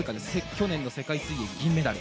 去年の世界水泳、銀メダル。